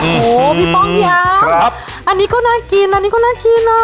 โอ้โหพี่ป้องพี่แอฟอันนี้ก็น่ากินอันนี้ก็น่ากินนะ